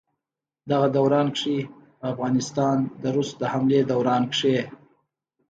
دغه دوران کښې په افغانستان د روس د حملې دوران کښې